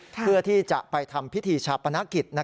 เพื่อที่จะไปทำพิธีชาปนกิจ